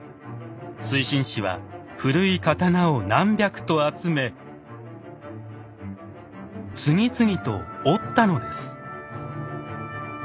水心子は古い刀を何百と集め次々と折ったのです。